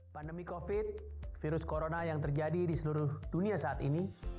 pandemi covid virus corona yang terjadi di seluruh dunia saat ini